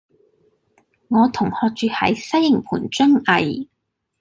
我同學住喺西營盤瑧蓺